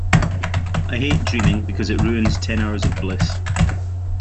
I hate dreaming because it ruins ten hours of bliss.